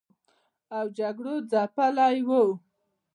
او جګړو ځپلي و